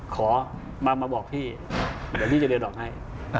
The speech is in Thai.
ขอมาบอกพี่เดี๋ยวพี่จะเดินออกให้